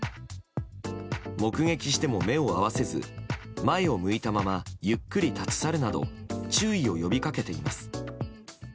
目撃しても目を合わせず前を向いたままゆっくり立ち去るなど注意を呼びかけています。